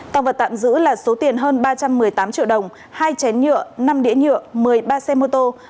tăng vật tạm giữ là số tiền hơn ba trăm một mươi tám triệu đồng hai chén nhựa năm đĩa nhựa một mươi ba xe mô tô